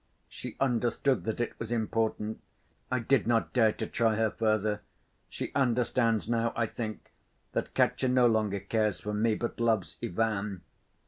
She understood that it was important. I did not dare to try her further. She understands now, I think, that Katya no longer cares for me, but loves Ivan."